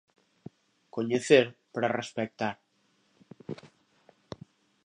Coñecer para respectar.